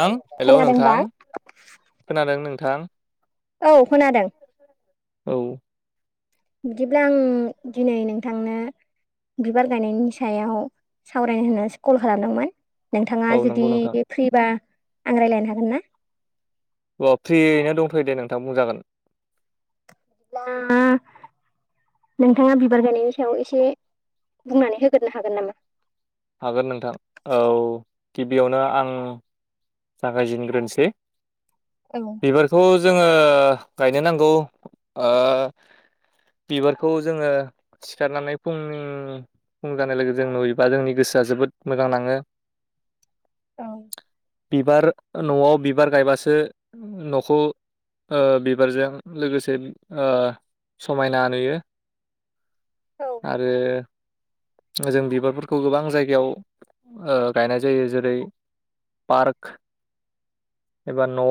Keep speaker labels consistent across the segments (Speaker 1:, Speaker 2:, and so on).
Speaker 1: आं हेल' नोंथां
Speaker 2: खोनादोंबा
Speaker 1: खोनादों नोंथां
Speaker 2: औ खोनादों
Speaker 1: औ
Speaker 2: बिदिब्ला आं दिनै नोंथांनो बिबार गायनायनि सायाव सावरायनो होननासो कल खालामदोंमोन। नोंथाङा
Speaker 1: औ नंगौ
Speaker 2: जुदि
Speaker 1: नोंथां
Speaker 2: फ्रिबा आं रायज्लायनो हागोन ना।
Speaker 1: अ फ्रियैनो दंथ' दे नोंथां बुंजागोन।
Speaker 2: [unintelligible] नोंथाङा बिबार गायनायनि सायाव एसे बुंनानै होगोरो हागोन नामा?
Speaker 1: हागोन नोंथां औ गिबियावनो आं जागायजेनग्रोनोसै
Speaker 2: औ
Speaker 1: बिबारखौ जोङो गायनो नांगौ। बिबारखौ जोङो सिखारनानै फुंनि फुं जानाय लोगो जों नुयोबा जोंनि गोसोआ जोबोद मोजां नाङो।
Speaker 2: औ।
Speaker 1: बिबार न'आव बिबार गायबासो न'खौ बिबारजों लोगोसे समायना नुयो।
Speaker 2: औ
Speaker 1: आरो जों बिबारफोरखौ गोबां जायगायाव गायनाय जायो जेरै पार्क एबा न'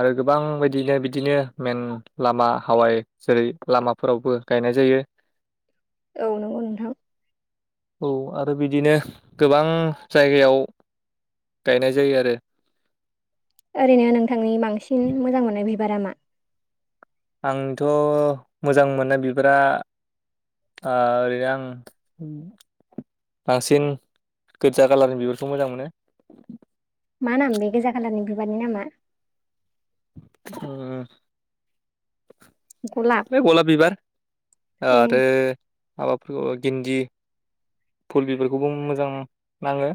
Speaker 1: आरो गोबां बिदिनो बिदिनो मेन लामा हावाय जेरै लामाफोरावबो गाय गायनाय जायो।
Speaker 2: औ नंगौ नोंथां।
Speaker 1: औ आरो बिदिनो गोबां जायगायाव गायनाय जायो आरो
Speaker 2: ओरैनो नोंथांनि बांसिन मोजां मोननाय बिबारा मा?
Speaker 1: आंथ' मोजां मोननाय बिबारा आ ओरैनो आं बांसिन गोजा कालारनि बिबारखौ मोजां मोनो
Speaker 2: मा नाम बे गोजा खालारनि बिबारनि नामा?
Speaker 1: [unintelligible] बे गलाब बिबार
Speaker 2: ए
Speaker 1: आरो माबाफोरखौ गिन्दि फुल बिफोरखौबो मोजां नाङो।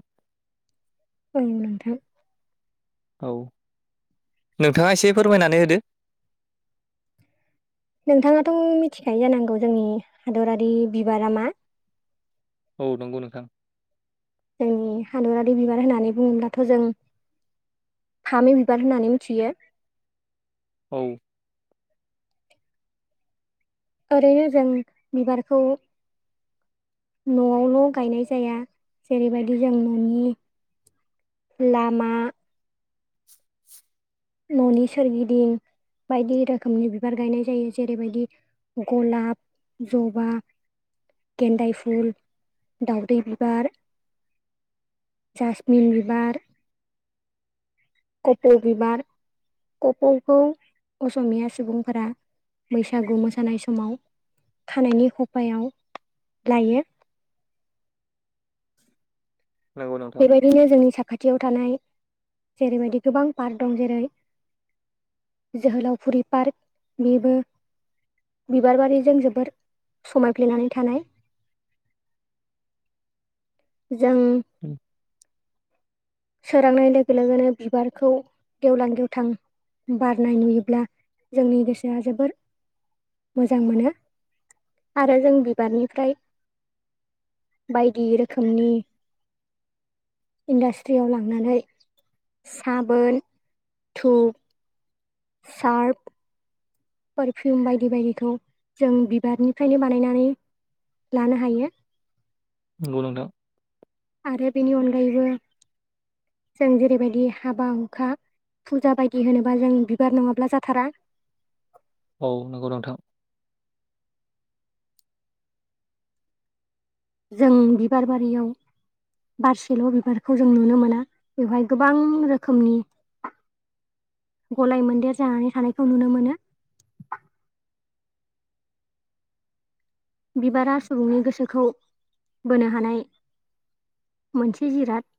Speaker 2: ओं नोंथां।
Speaker 1: औ नोंथाङा एसे फोरमायनानै होदो।
Speaker 2: [inaudible] नोंथाङाथ' मिथिखायो जानांगौ जोंनि हादरारि बिबारा मा?
Speaker 1: औ नंगौ नोंथां।
Speaker 2: जोंनि हादरारि बिबार होननानै बुङोब्लाथ' जों फामि बिबार होननानै मिथियो।
Speaker 1: औ।
Speaker 2: ओरैनो जों बिबारखौ न'वावल' गायनाय जाया जेरैबायदि जों न'नि लामा न'नि सोरगिदिं बायदि रोखोमनि बिबार गायनाय जायो जेरैबायदि गलाब जबा गेन्दाय फुल दावदै बिबार जासमि बिबार कप' बिबार कफ'खौ असमिया सुबुंफोरा बैसागु मोसानाय समाव खानायनि खफायाव लायो।
Speaker 1: नंगौ नोंथां
Speaker 2: बेबायदिनो जोंनि साखाथियाव थानाय जेरैबायदि गोबां पार्क दं जेरै जोहोलावफुरि पार्क बेबो बिबार बारिजों जोबोर समायफ्लेनानै थानाय जों
Speaker 1: उम,
Speaker 2: सोरांनाय लोगो लोगोनो बिबारखौ गेवलां गेवथां बारनाय नुयोब्ला जोंनि गोसोआ जोबोर मोजां मोनो आरो जों बिबारनिफ्राय बायदि रोखोमनि इन्डास्ट्री आव लांनानै साबोन धुप सार्फ पारफिउम बायदि बायदिखौ जों बिबारनिफ्रायनो बानायनानै लानो हायो।
Speaker 1: नंगौ नोंथां।
Speaker 2: आरो बेनि अनगायैबो जों जेरैबायदि हाबा हुखा फुजा बायदि होनोबा जों बिबार नङाब्ला जाथारा
Speaker 1: औ नंगौ नोंथां।
Speaker 2: जों बिबार बारियाव बारसेल' बिबारखौ जों नुनो मोना बेवहाय गोबां रोखोमनि। गलाय मोन्देर जानानै थानायखौ नुनो मोनो। बिबारा सुबुंनि गोसोखौ बोनो हानाय। मोनसे जिराद।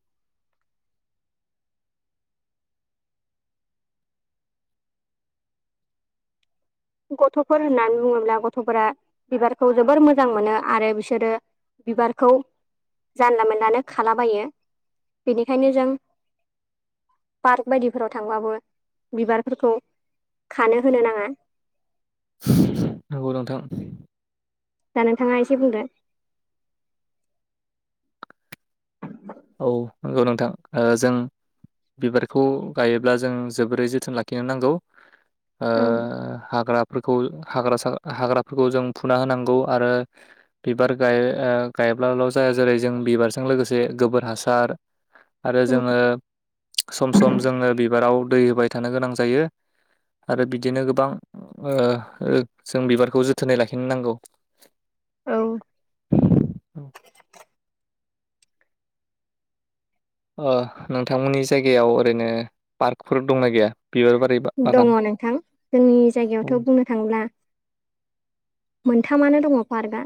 Speaker 2: गथ'फोर होननानै बुङोब्ला गथ'फोरा बिबारखौ जोबोर मोजां मोनो आरो बिसोरो। बिबारखौ जानला मोनलानो खालाबायो। बेनिखायनो जों। पार्क बायदिफोराव थांबाबो बिबारफोरखौ खानो होनो नाङा।
Speaker 1: नंगौ नोंथां।
Speaker 2: दा नोंथाङा एसे बुंदो।
Speaker 1: औ नंगौ नोंथां ओ जों। बिबारखौ गायोब्ला जों जोबोरै जोथोन लाखिनो नांगौ। ओ हाग्रा। हाग्राफोरखौ जों फुना होनांगौ आरो बिबार गाय ब्लाल' जाया जेरै जों बिबारजों लोगोसे जोबोद। हासार आरो जोङो सम सम जोङो बिबाराव दै होबाय थायो। थानो गोनां जायो आरो बिदिनो गोबां। ओ जों बिबारखौ जोथोनै लाखिनो नांगौ।
Speaker 2: औ।
Speaker 1: ओ नोंथांमोननि जायगायाव ओरैनो पार्कफोर दंना गैया। बिबार बारि बा
Speaker 2: दङ
Speaker 1: बागान?
Speaker 2: नोंथां जोंनि
Speaker 1: औ
Speaker 2: जायगायावथ' बुंनो थाङोब्ला। मोनथामानो दङ पार्कआ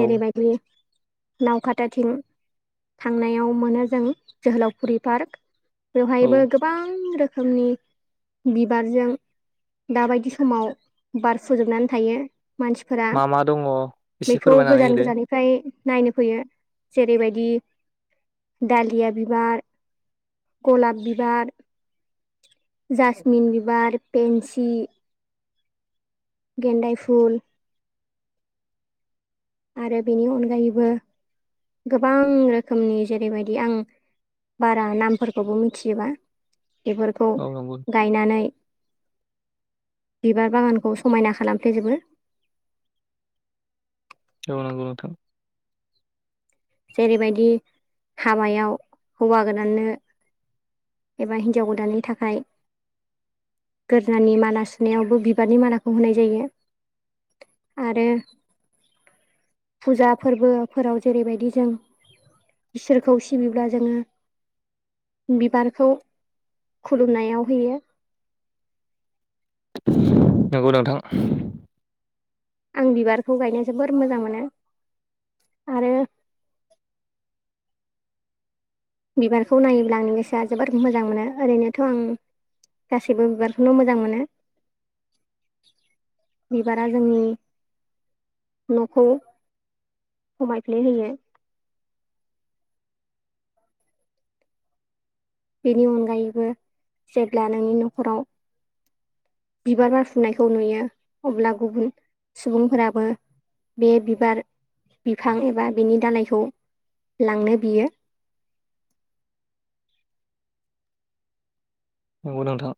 Speaker 1: औ
Speaker 2: नाव खाताथिं थांनायाव मोनो जों जोहोलावफुरि पार्क।
Speaker 1: औ
Speaker 2: बेवहायबो गोबां रोखोमनि। बिबारजों दाबायदि समाव बार फुजोबनानै थायो। मानसिफोरा
Speaker 1: मा मा दङ एसे
Speaker 2: बेखौ
Speaker 1: फोरमायनानै
Speaker 2: गोजान
Speaker 1: होदो
Speaker 2: गोजाननिफ्राय। नायनो फैयो जेरैबायदि दालिया बिबार। गलाप बिबार। जासमिन बिबार पेन्सि। गेन्दाय फुल आरो बेनि अनगायैबो गोबां रोखोमनि जेरैबायदि आं। बारा नामफोरखौबो मिथिजोबा बेफोरखौ
Speaker 1: औ नंगौ
Speaker 2: गायनानै। बिबार बागानखौ समायना खालामफ्लेजोबो। [inaudible]
Speaker 1: औ नंगौ नोंथां।
Speaker 2: जेरैबायदि हाबायाव हौवा गोदाननो। एबा हिनजाव गोदाननि थाखाय गोदोनानि माला सुनायावबो बिबारनि मालाखौ होनाय जायो। आरो फुजा फोरबोफोराव जेरैबादि जों इसोरखौ सिबिब्ला जोङो बिबारखौ खुलुमनायाव होयो।
Speaker 1: नंगौ नोंथां।
Speaker 2: आं बिबारखौ गायनो जोबोर मोजां मोनो आरो बिबारखौ नायोब्ला आंनि गोसोआ जोबोद मोजां मोनो ओरैनोथ' आं गासैबो बिबारखौनो मोजां मोनो। बिबारा जोंनि नखौ समायफ्ले होयो। बेनि अनगायैबो जेब्ला नोंनि न'खराव बिबार बारफुनायखौ नुयो अब्ला गुबुन सुबुंफोराबो बे बिबार बिफां एबा बिनि दालायखौ लांनो बियो।
Speaker 1: नंगौ नोंथां।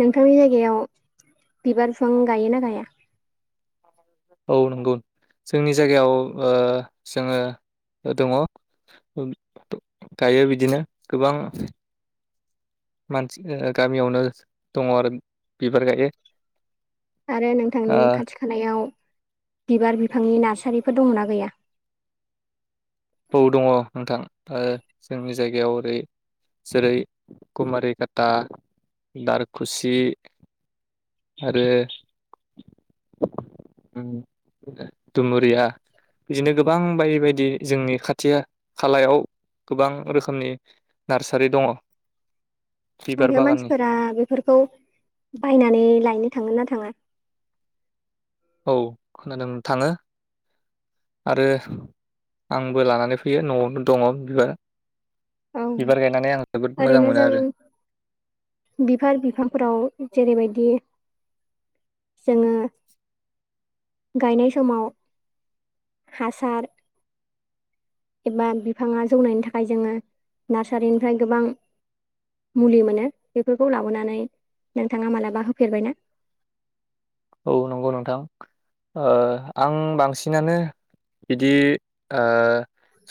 Speaker 2: नोंथांनि जायगायाव बिबार बिफां गायो ना गाया?
Speaker 1: औ नंगौ जोंनि जायगायाव ओ जोङो दङ गायो बिदिनो गोबां मानसि गामियावनो दङ आरो बिबार गायो।
Speaker 2: आरो नोंथांनि खाथि खालायाव बिबार बिफांनि नार्सारिफोर दङना गैया?
Speaker 1: औ दङ नोंथां ओ जोंनि जायगायाव ओरै जेरै कुमारि खाता दारखुसि आरो दुमुरिया बिदिनो गोबां बायदि बायदि जोंनि खाथि खालायाव गोबां रोखोमनि नार्सारि दङ। बिबार
Speaker 2: आरो
Speaker 1: बागाननि
Speaker 2: मानसिफोरा बेफोरखौ बायनानै लायनो थाङो ना थाङा?
Speaker 1: औ खोनादों थाङो। आरो आंबो लानानै फैयो न'आवनो दङ बिबार
Speaker 2: औ
Speaker 1: बिबार गायनानै आं जोबोद मोजां
Speaker 2: ओरैनो
Speaker 1: मोनो
Speaker 2: जों
Speaker 1: आरो
Speaker 2: बिफोर बिफांफोराव जेरैबायदि दि जोङो गायनाय समाव हासार एबा बिफाङा जौनायनि थाखाय जोङो नार्सारिनिफ्राय गोबां मुलि मोनो बेफोरखौ लाबोनानै नोंथाङा मालाबा होफेरबायना? [inaudible]
Speaker 1: औ नंगौ नोंथां आं बांसिनानो बिदि ओ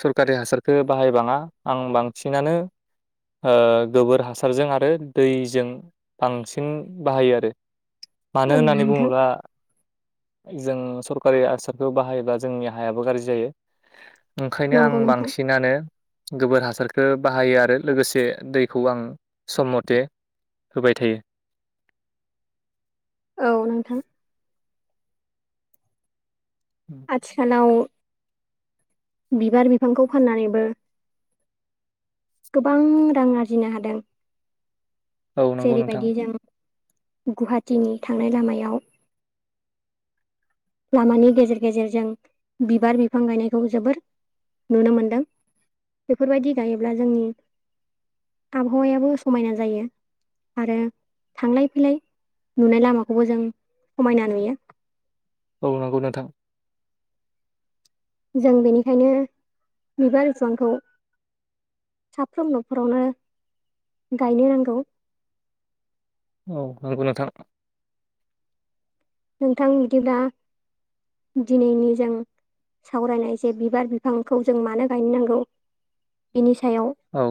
Speaker 1: सरखारि हासारखौ बाहायबाङा आं बांसिनानो ओ गोबोर हासारजों आरो दैजों बांसिन बाहायो आरो। मानो
Speaker 2: औ
Speaker 1: होननानै
Speaker 2: नोंथां
Speaker 1: बुङोब्ला जों सरकारि हासारखौ बाहायोब्ला जोंनि हायाबो गारजि जायो। ओंखायनो आं
Speaker 2: नंगौ नोंथां
Speaker 1: बांसिनानो गोबोर हासारखो बाहायो आरो लोगोसे दैखौ आं सम मथे होबाय थायो।
Speaker 2: औ नोंथां। आथिखालाव बिबार बिफांखौ फाननानैबो गोबां रां आरजिनो हादों
Speaker 1: औ नंगौ नोंथां
Speaker 2: जेरैबायदि जों गुवाहाटिनि थांनाय लामायाव लामानि गेजेर गेजेरजों बिबार बिफां गायनायखौ जोबोर नुनो मोनदों बेफोरबायदि गायोब्ला जोंनि आबहावायाबो समायना जायो आरो थांलाय फैलाय नुनाय लामाखौबो जों समायना नुयो
Speaker 1: औ [unintelligible] नोंथां
Speaker 2: जों बेनिखायनो बिबार [unintelligible] खौ साफ्रोम न'खरावनो गायनो नांगौ
Speaker 1: औ नंगौ नोंथां
Speaker 2: नोंथां बिदिब्ला दिनैनि जों सावरायनाय जे बिबार बिफांखौ जों मानो गायनो नांगौ बिनि
Speaker 1: औ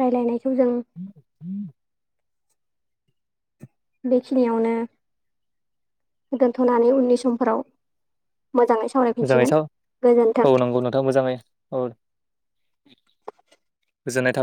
Speaker 2: राय्लायनायखौ जों बेखिनियावनो दोनथ'नानै उननि समफोराव मोजाङै
Speaker 1: मोजाङै
Speaker 2: सावरायफिनसिगोन
Speaker 1: साव
Speaker 2: गोजोन्थों
Speaker 1: औ
Speaker 2: [inaudible]
Speaker 1: नंगौ नोंथां मोजाङै औ गोजोननाय थाबाय